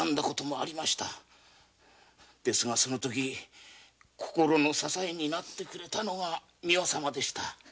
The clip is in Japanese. ですがその時心の支えになってくれたのが美和様でした。